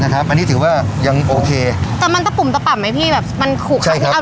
นะครับอันนี้ถือว่ายังโอเคแต่มันตะปุ่มตะปับไหมพี่แบบมันคุกใช่ครับ